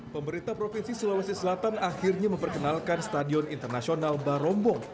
pemerintah provinsi sulawesi selatan akhirnya memperkenalkan stadion internasional barombong